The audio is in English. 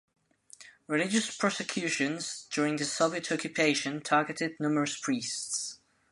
Religious persecutions during the Soviet occupation targeted numerous priests.